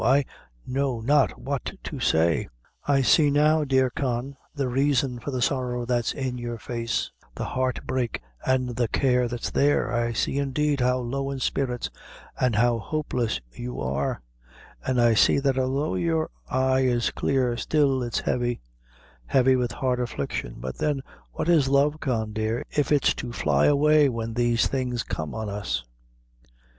I know not what to say; I see now, dear Con, the raison for the sorrow that's in your face; the heart break an' the care that's there; I see, indeed, how low in spirits an' how hopeless you are; an' I see that although your eye is clear still it's heavy; heavy with hard affliction; but then, what is love, Con dear, if it's to fly away when these things come on us?